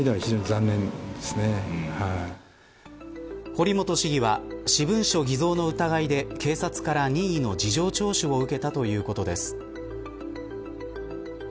堀本市議は私文書偽造の疑いで警察から任意の事情聴取を受けたということです。